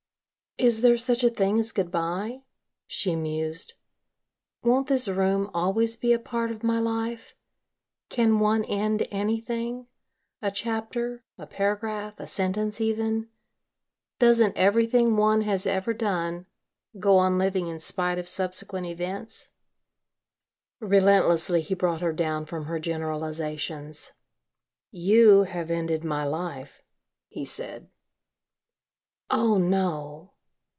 "Is there such a thing as 'good bye,'" she mused; "won't this room always be a part of my life? Can one end anything? A chapter, a paragraph, a sentence even? Doesn't everything one has ever done go on living in spite of subsequent events?" Relentlessly he brought her down from her generalisations. "You have ended my life," he said. "Oh, no."